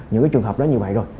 những cái trường hợp đó như vậy rồi